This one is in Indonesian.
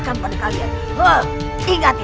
sampai jumpa lagi